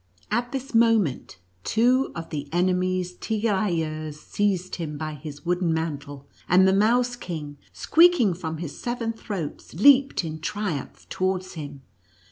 At this moment two of the enemies' tirailleurs seized him by his wooden mantle, and the Mouse King, squeaking from his seven throats, leaped in triumph towards him.